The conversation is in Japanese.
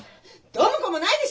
どうもこうもないでしょ！